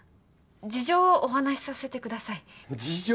事情をお話させてください。事情？